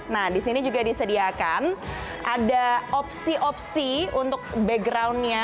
nah di sini juga disediakan ada opsi opsi untuk backgroundnya